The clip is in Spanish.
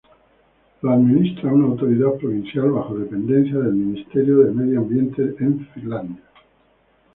Lo administra una autoridad provincial bajo dependencia del Ministerio de Medio Ambiente de Finlandia.